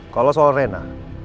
kalau soal reina